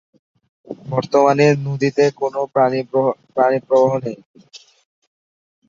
বর্তমানে নদীতে কোনো পানিপ্রবাহ নেই।